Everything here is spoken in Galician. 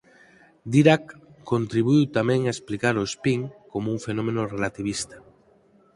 Dirac contribuíu tamén a explicar o spin como un fenómeno relativista.